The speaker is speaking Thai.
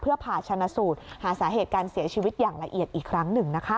เพื่อผ่าชนะสูตรหาสาเหตุการเสียชีวิตอย่างละเอียดอีกครั้งหนึ่งนะคะ